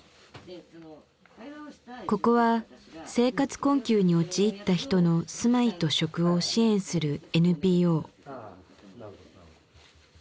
ここは生活困窮に陥った人の「住まい」と「食」を支援するＮＰＯ。